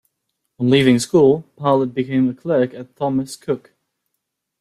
On leaving school Parlett became a clerk at Thomas Cook.